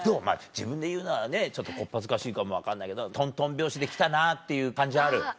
自分で言うのはねちょっと小っ恥ずかしいかも分かんないけどとんとん拍子で来たなっていう感じある？